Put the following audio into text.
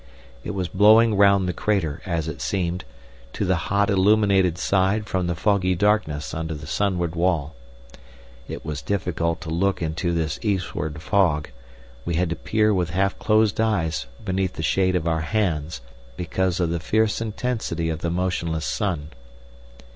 It was blowing round the crater, as it seemed, to the hot illuminated side from the foggy darkness under the sunward wall. It was difficult to look into this eastward fog; we had to peer with half closed eyes beneath the shade of our hands, because of the fierce intensity of the motionless sun.